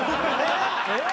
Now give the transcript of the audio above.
えっ？